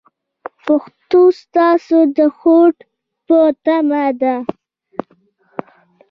پښتو ستاسو د هوډ په تمه ده.